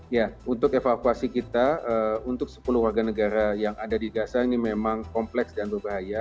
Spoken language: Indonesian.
ya untuk evakuasi kita untuk sepuluh warga negara yang ada di gaza ini memang kompleks dan berbahaya